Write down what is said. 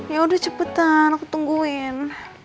yaudah cepetan aku tungguin